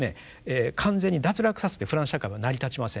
完全に脱落させてフランス社会は成り立ちません。